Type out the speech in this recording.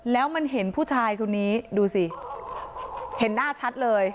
แล้วมันเห็นผู้ชายคนนี้ดูสิเห็นหน้าชัดเลย